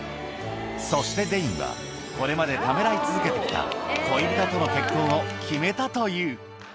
そしてデインは、これまでためらい続けてきた恋人との結婚を決めたという。